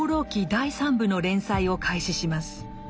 第三部の連載を開始します。